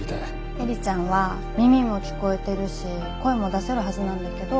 映里ちゃんは耳も聞こえてるし声も出せるはずなんだけど話せないの。